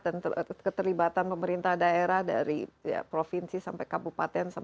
dan keterlibatan pemerintah daerah dari provinsi sampai kabupaten